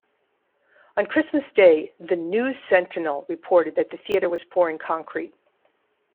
On Christmas Day the "News-Sentinel" reported that the theatre was pouring concrete.